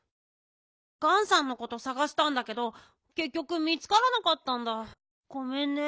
ガンさんのことさがしたんだけどけっきょく見つからなかったんだごめんね。